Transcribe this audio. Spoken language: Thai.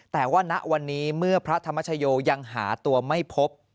แต่ว่าณวันนี้เมื่อพระธรรมชโยยังหาตัวไม่พบ